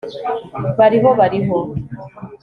bariho. bariho